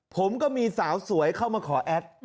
ผมก็มีสาวสวยเข้ามาขอแอด